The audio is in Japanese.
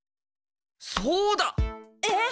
そうだ！えっ？